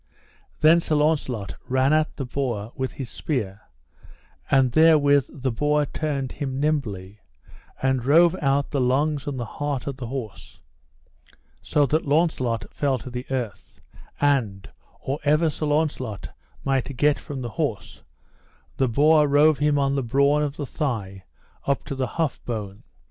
Then Sir Launcelot ran at the boar with his spear, and therewith the boar turned him nimbly, and rove out the lungs and the heart of the horse, so that Launcelot fell to the earth; and, or ever Sir Launcelot might get from the horse, the boar rove him on the brawn of the thigh up to the hough bone.